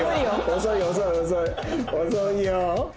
遅いよ。